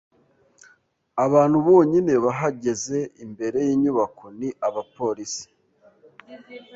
Abantu bonyine bahagaze imbere yinyubako ni abapolisi.